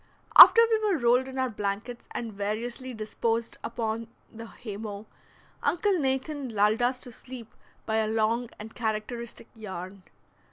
After we were rolled in our blankets and variously disposed upon the haymow, Uncle Nathan lulled us to sleep by a long and characteristic yarn.